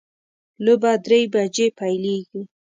لوبه درې بجې پیلیږي